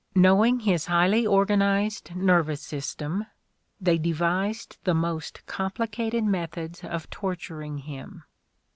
Knowing his highly organized nervous system, they devised the most complicated methods of torturing him.